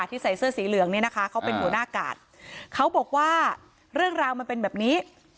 ใส่เสื้อสีเหลืองเนี่ยนะคะเขาเป็นหัวหน้ากาดเขาบอกว่าเรื่องราวมันเป็นแบบนี้